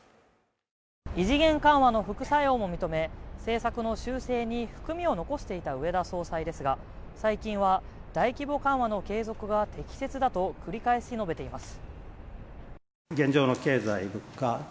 異次元緩和の副作用も認め、政策の修正に含みを残していた植田総裁ですが、最近は大規模緩和の継続が適切だと繰り返し述べています。